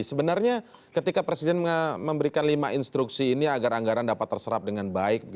sebenarnya ketika presiden memberikan lima instruksi ini agar anggaran dapat terserap dengan baik